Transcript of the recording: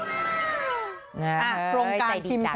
โครงการกิมชนะเอ่อใจดีจัก